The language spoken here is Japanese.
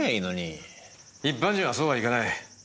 一般人はそうはいかない。